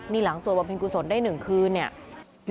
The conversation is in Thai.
นี่หลังสวบประพิงกุศลได้หนึ่งคืนเนี่ย